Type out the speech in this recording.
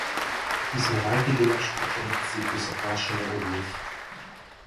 Исмевајте ги нашите предци кои се плашеле од нив.